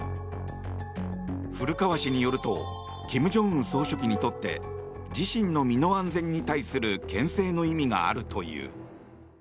古川氏によると金正恩総書記にとって自身の身の安全に対するけん制の意味があるという。